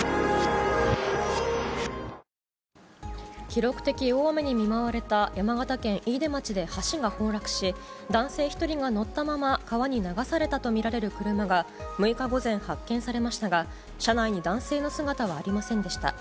記録的大雨に見舞われた山形県飯豊町で橋が崩落し、男性１人が乗ったまま、川に流されたと見られる車が６日午前発見されましたが、車内に男性の姿はありませんでした。